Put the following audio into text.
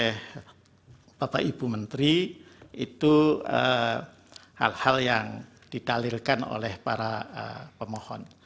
hal hal yang ditalilkan oleh para pemohon